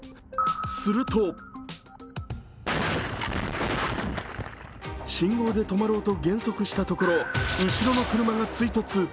すると信号で止まろうと減速したところ、後ろの車が追突。